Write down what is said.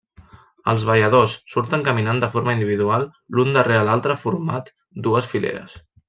Els balladors surten caminant de forma individual l'un darrere l'altre format dues fileres.